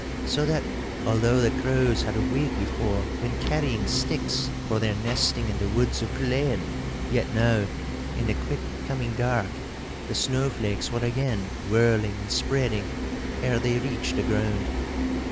So that, although the crows had a week before been carrying sticks for their nesting in the woods of Culzean, yet now, in the quick coming dark, the snowflakes were again whirling and spreading ere they reached the ground.